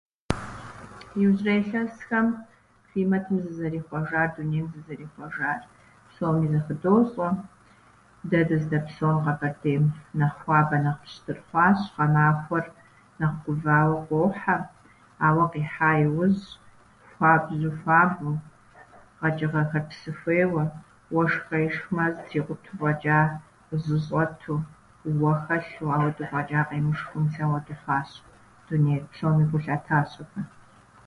Иужьрей илъэсхэм климэтым зызэрихъуэжар, дунейм зызэрихъуэжар псоми зыхыдощӏэ. Дэ дыздэпсэу Къэбэрдейм нэхъ хуабэ, нэхъ пщтыр хъуащ, гъэмахуэр нэхъ гувауэ къохьэр, ауэ къихьа иужь хуабжьу хуабэу, къэчӏыгъэхэр псы хуейуэ, уэшх къешхмэ, зэтрикъутэу фӏэчӏа жьы щӏэту, уэ хэлъу, ахуэдэу фӏэчӏа къемышхыу, мис ахуэдэ хъуащ дунейр. Псоми гу лъатащ абы.